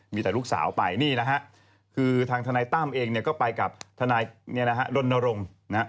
มีแต่ลูกสาวไปนี่นะฮะคือทางทนายตั้มเองเนี่ยก็ไปกับทนายรณรงค์นะฮะ